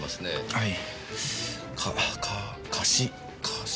はい！